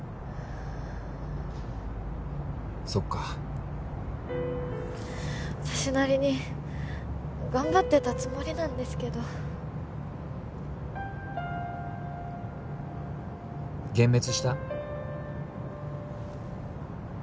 そっか私なりに頑張ってたつもりなんですけど幻滅した？